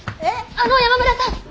あの山村さん！